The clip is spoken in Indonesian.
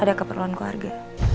ada keperluan keluarga